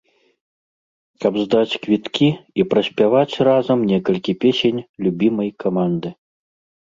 Каб здаць квіткі і праспяваць разам некалькі песень любімай каманды.